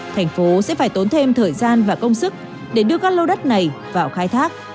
thành phố sẽ phải tốn thêm thời gian và công sức để đưa các lô đất này vào khai thác